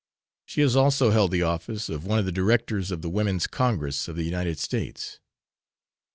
She has also held the office of one of the Directors of the Women's Congress of the United States.